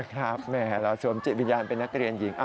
ครับแหมเราสวมจิตวิญญาณเป็นนักเรียนหญิง